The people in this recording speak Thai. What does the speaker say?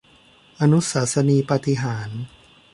อนุสาสนีปาฏิหาริย์